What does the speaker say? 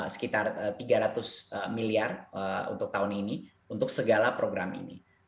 sekitar tiga ratus miliar untuk tahun ini untuk segala program ini